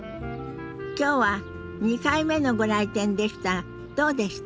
今日は２回目のご来店でしたがどうでした？